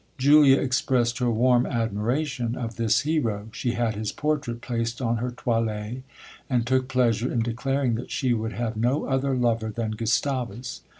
Julia expressed her warm admiration of this hero. She had his portrait placed on her toilet, and took pleasure in declaring that she would have no other lover than Gustavus.